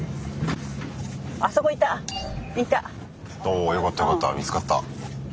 およかったよかった見つかった。